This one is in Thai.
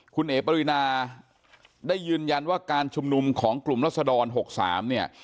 คุณเอ๋ปรินาได้ยืนยันว่าการชุมนุมของกลุ่มรัศดร๖๓เนี่ย